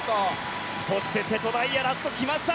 そして、瀬戸大也ラスト、来ました！